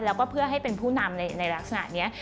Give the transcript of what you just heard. แล้วก็เพื่อให้เป็นผู้นำในลักษณะนี้